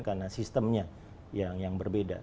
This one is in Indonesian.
karena sistemnya yang berbeda